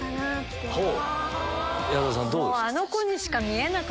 あの子にしか見えない。